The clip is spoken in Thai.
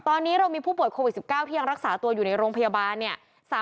ตอนนี้เรามีผู้ป่วยโควิด๑๙ที่ยังรักษาตัวอยู่ในโรงพยาบาลเนี่ย